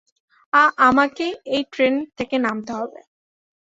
আ-আমাকে এই ট্রেন থেকে নামতে হবে।